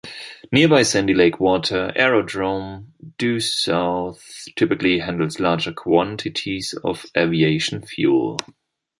Nearby Sandy Lake Water Aerodrome, due south, typically handles larger quantities of aviation fuel.